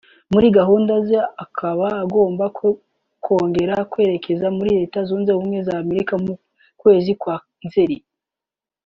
muri gahunda ze akaba agomba kongera kwerekeza muri Leta Zunze Ubumwe za Amerika mu kwezi kwa Nzeli